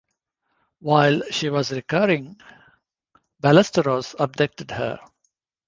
While she was recovering, Ballesteros abducted her.